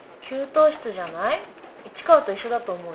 市川と一緒だと思うよ。